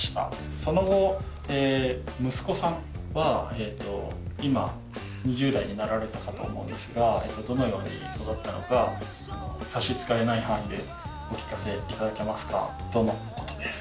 その後息子さんは今２０代になられたかと思うんですがどのように育ったのか差し支えない範囲でお聞かせ頂けますか」とのことです。